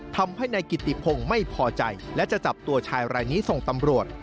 ทำให้นายกิติพงศ์ไม่พอใจและจะจับตัวชายรายนี้ส่งตำรวจ